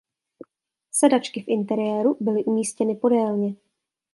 Sedačky v interiéru byly umístěny podélně.